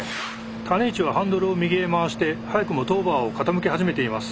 種市はハンドルを右へ回して早くもトーバーを傾け始めています。